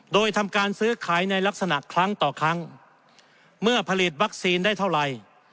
โดยทำการซื้อขายในลักษณะครั้งต่อครั้งเมื่อผลิตวัคซีนได้เท่าไหร่